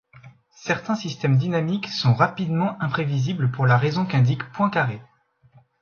Certains systèmes dynamiques sont rapidement imprévisibles pour la raison qu'indique Poincaré.